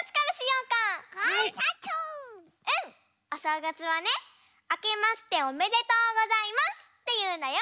うん！おしょうがつはね「あけましておめでとうございます」っていうんだよ。